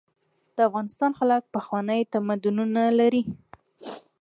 د افغانستان خلک پخواني تمدنونه لري.